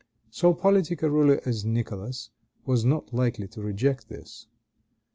So politic a ruler as Nicholas was not likely to reject this.